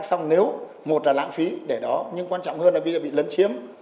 xong nếu một là lãng phí để đó nhưng quan trọng hơn là bây giờ bị lấn chiếm